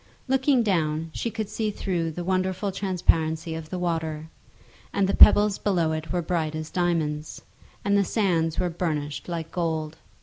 Looking down, she could see through the wonderful transparency of the water, and the pebbles below it were bright as diamonds, and the sands were burnished like gold.